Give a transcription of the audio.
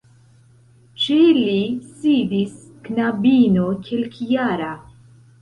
Ĉe li sidis knabino kelkjara.